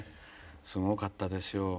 すごかったですよ。